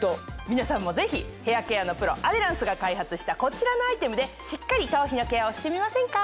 皆さんもぜひヘアケアのプロアデランスが開発したこちらのアイテムでしっかり頭皮のケアをしてみませんか？